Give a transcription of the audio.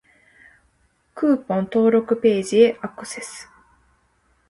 クーポン登録ページへアクセス